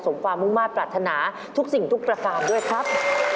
ความมุมาตรปรารถนาทุกสิ่งทุกประการด้วยครับ